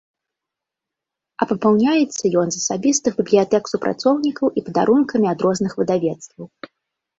А папаўняецца ён з асабістых бібліятэк супрацоўнікаў і падарункамі ад розных выдавецтваў.